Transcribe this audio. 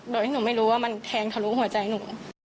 โดยที่หนูไม่รู้ว่ามันแทงทะลุหัวใจหนู